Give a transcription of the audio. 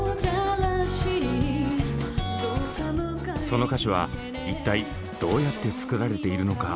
その歌詞は一体どうやって作られているのか？